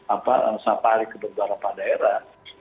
apa sapa ari ketua barat padaerah